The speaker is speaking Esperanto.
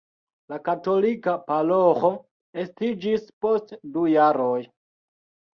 La katolika paroĥo estiĝis post du jaroj.